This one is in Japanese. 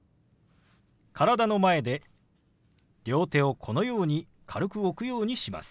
体の前で両手をこのように軽く置くようにします。